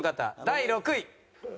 第６位。